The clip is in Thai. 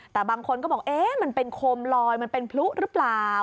แต่บางคนก็บอกเอ๊ะมันเป็นโคมลอยมันเป็นพลุหรือเปล่า